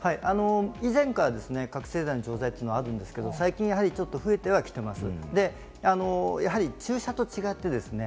以前から覚醒剤の錠剤はあるんですけれども、最近増えてはきています。